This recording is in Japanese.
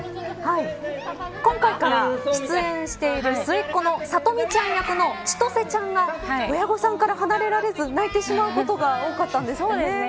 今回から出演している末っ子のこの里美ちゃん役の千歳ちゃんが親御さんから離れられず泣いてしまうことが多かったんですてね。